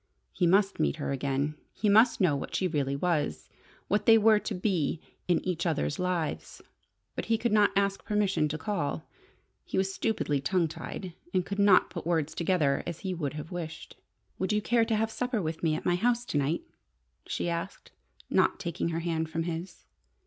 He must meet her again! He must know what she really was what they were to be in each other's lives. But he could not ask permission to call. He was stupidly tongue tied, and could not put words together as he would have wished. "Would you care to have supper with me at my house to night?" she asked, not taking her hand from his.